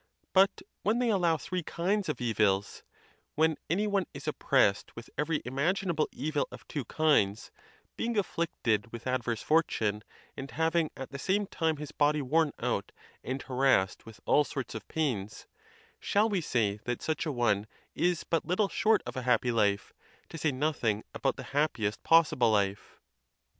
But when they allow three kinds of evils—when any one is oppressed with every im aginable evil of two kinds, being afflicted with adverse fortune, and having at the same time his body worn out and harassed with all sorts of pains—shall we say that such a one is but little short of a happy life, to say noth ing about the happiest possible life